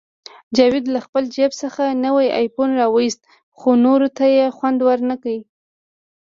جاوید له خپل جیب څخه نوی آیفون راوویست، خو نورو ته یې خوند ورنکړ